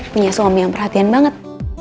punya suami yang perhatian banget